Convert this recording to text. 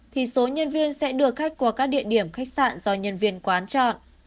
thì số nhân viên sẽ đưa khách qua các địa điểm khách sạn do nhân viên quán chọn